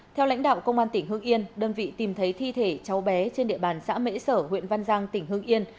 theo lãnh đạo công an tỉnh hương yên đơn vị tìm thấy thi thể cháu bé trên địa bàn xã mễ sở huyện văn giang tỉnh hưng yên